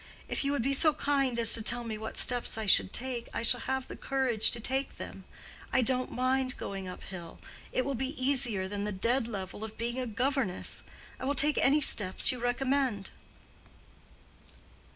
If you would be so kind as to tell me what steps I should take, I shall have the courage to take them. I don't mind going up hill. It will be easier than the dead level of being a governess. I will take any steps you recommend."